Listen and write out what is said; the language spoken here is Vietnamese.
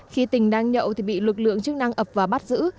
khi tình đang nhậu thì bị lực lượng chức năng ập và bắt giữ